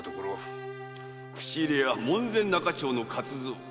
〔口入れ屋・門前仲町の勝蔵〕